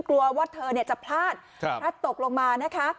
กลัวว่าเธอเนี่ยจะพลาดครับถ้าตกลงมานะคะ